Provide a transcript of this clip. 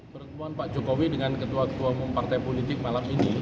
pertemuan pak jokowi dengan ketua ketua umum partai politik malam ini